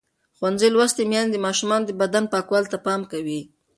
ښوونځې لوستې میندې د ماشومانو د بدن پاکوالي ته پام کوي.